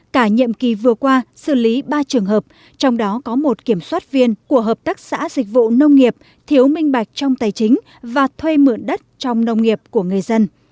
cả nhiệm kỳ vừa qua xử lý ba trường hợp trong đó có một kiểm soát viên của hợp tác xã dịch vụ nông nghiệp thiếu minh bạch trong tài chính và thuê mượn đất trong nông nghiệp của người dân